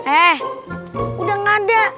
eh udah ngada